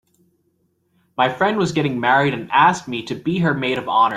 My friend was getting married and asked me to be her maid of honor.